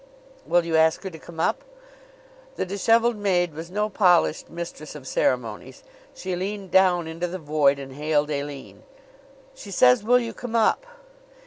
"Will you ask her to come up?" The disheveled maid was no polished mistress of ceremonies. She leaned down into the void and hailed Aline. "She says will you come up?"